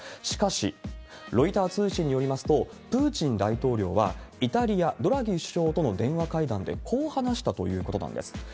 しかし、ロイター通信によりますと、プーチン大統領はイタリア、ドラギ首相との電話会談でこう話したということなんです。